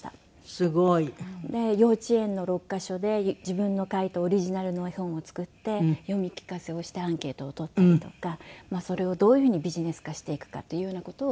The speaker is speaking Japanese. すごい！幼稚園の６カ所で自分の書いたオリジナルの絵本を作って読み聞かせをしてアンケートをとったりとかそれをどういう風にビジネス化していくかというような事を。